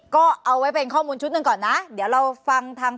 ก็เอาไว้เป็นข้อมูลชุดหนึ่งก่อนนะเดี๋ยวเราฟังทาง